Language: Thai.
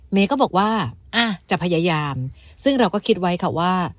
เมย์ก็บอกว่าจะพยายามซึ่งเราก็คิดไว้ค่ะว่า